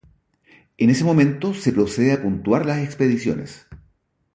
En ese momento se procede a puntuar las expediciones.